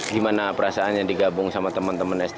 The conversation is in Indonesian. gimana perasaannya di gabung sama temen temen sd empat belas